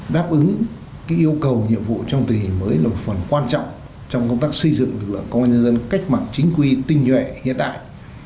đáp ứng yêu cầu nhiệm vụ trọng tình mới là phần quan trọng trong công tác xây dựng lực lượng công an nhân dân cách mạng chính quy tình nguyện hiện đại